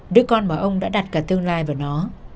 đứa con mà ông đã đặt cả tương lai vào nó